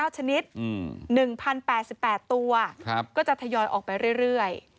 ชนิด๑๐๘๘ตัวก็จะทยอยออกไปเรื่อย